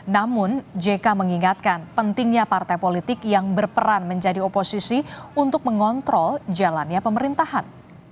namun jk mengingatkan pentingnya partai politik yang berperan menjadi oposisi untuk mengontrol jalannya pemerintahan